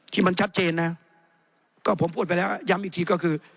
ที่มันชัดเจนนะก็ผมพูดไปแล้วย้ำอีกทีก็คือ